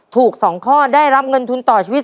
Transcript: ถูก๒ข้อได้รับเงินทุนต่อชีวิต